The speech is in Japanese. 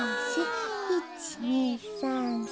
１２３４。